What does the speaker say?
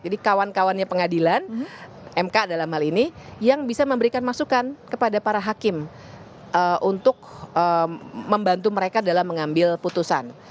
jadi kawan kawannya pengadilan mk dalam hal ini yang bisa memberikan masukan kepada para hakim untuk membantu mereka dalam mengambil putusan